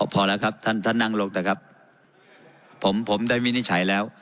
พอแล้วครับท่านท่านนั่งลงเถอะครับผมผมได้วินิจฉัยแล้ว